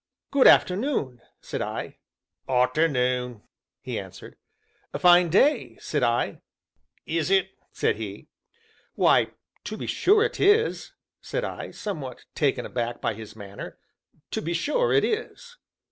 "Good afternoon!" said I. "Arternoon!" he answered. "A fine day!" said I. "Is it?" said he. "Why to be sure it is," said I, somewhat taken aback by his manner; "to be sure it is."